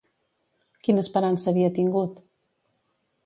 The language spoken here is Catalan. Quina esperança havia tingut?